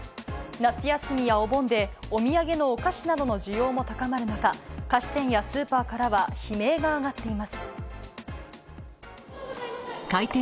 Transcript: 夏休みやお盆で、お土産のお菓子などの需要も高まる中、菓子店やスーパーからは悲鳴が上がっています。